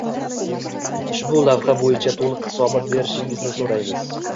Ushbu lavha boʻyicha toʻliq hisobot berishingizni soʻraymiz.